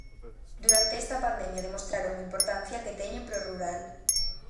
Durante esta pandemia demostraron a importancia que teñen para o rural.